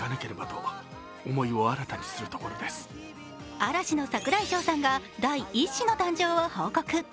嵐の櫻井翔さんが第１子の誕生を報告。